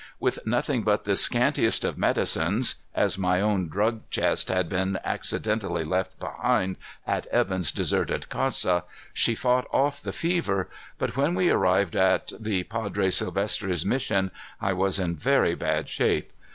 With nothing but the scantiest of medicines as my own drug chest had been accidentally left behind at Evan's deserted casa she fought off the fever, but when we arrived at the Padre Silvestre's mission, I was in very bad shape.